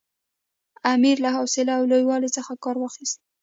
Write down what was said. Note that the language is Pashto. امیر له حوصلې او لوی والي څخه کار واخیست.